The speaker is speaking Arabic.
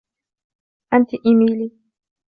أنتِ إميلي.